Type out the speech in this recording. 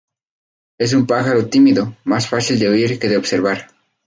Es un pájaro tímido, más fácil de oír que de observar.